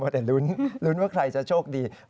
แต่รุ้นรุ้นว่าใครจะโชคดี